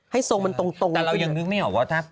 ทรงมันตรงแต่เรายังนึกไม่ออกว่า